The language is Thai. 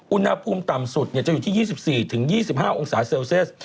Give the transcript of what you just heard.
อุณหภูมิต่ำสุดจะอยู่ที่๒๔๒๕องศาเซลเซียส